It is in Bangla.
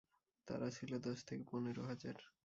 তারা ছিল দশ থেকে পনের হাজার।